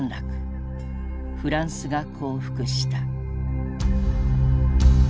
フランスが降伏した。